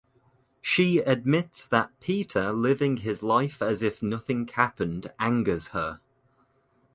She admits that Peter living his life as if nothing happened angers her.